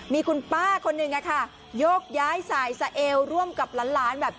มีคุณป้าคนหนึ่งอะค่ะยกย้ายสายสะเอวร่วมกับหลานแบบ